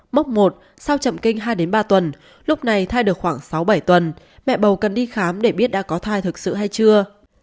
mốc một sau chậm kinh hai ba tuần lúc này thai được khoảng sáu bảy tuần mẹ bầu cần đi khám để biết đã có thai thực sự hay chưa